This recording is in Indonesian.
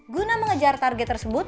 guna mengejar target tersebut